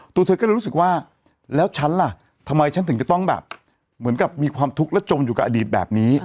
ตัวเธอก็เลยรู้สึกว่าแล้วฉันล่ะทำไมฉันถึงจะต้องแบบเหมือนกับมีความทุกข์และจมอยู่กับอดีตแบบนี้